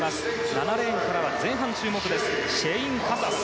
７レーンからは前半注目のシャイン・カサス。